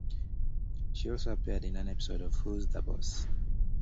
She also appeared in an episode of Who's the Boss?